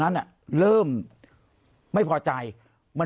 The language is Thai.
เสียชีวิต